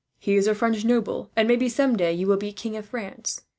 He is a French noble; and maybe, someday, you will be king of France.